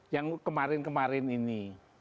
yang kemarin kemarin ini